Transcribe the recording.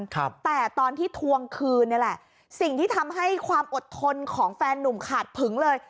ครับแต่ตอนที่ทวงคืนนี่แหละสิ่งที่ทำให้ความอดทนของแฟนนุ่มขาดผึงเลย